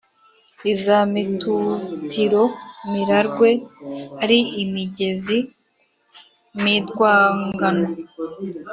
iza mitutiro, mirarwe ari i migezi- midwangano!